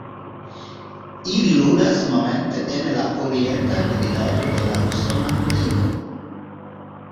Ili ludas momente en la Orienta Dividaĵo de la Usona Ligo.